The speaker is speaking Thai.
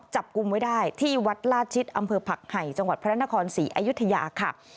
จับกลุ่มไว้ได้ที่วัดลาชิตอำเภอผักไห่จังหวัดพระนครศรีอยุธยาค่ะ